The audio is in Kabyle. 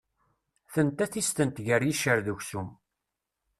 Tenta tistent gar yiccer d uksum.